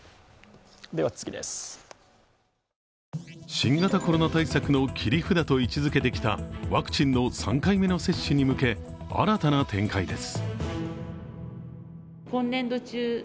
新型コロナ対策の切り札と位置づけてきたワクチンの３回目の接種に向け、新たな展開です。